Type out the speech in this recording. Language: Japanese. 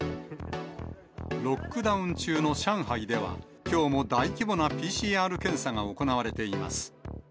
ロックダウン中の上海では、きょうも大規模なＰＣＲ検査が行われています。